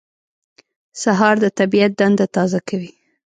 سهار د طبیعت دنده تازه کوي.